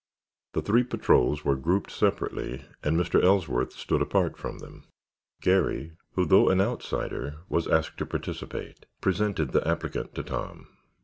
The three patrols were grouped separately and Mr. Ellsworth stood apart from them. Garry, who, though an outsider, was asked to participate, presented the applicant to Tom.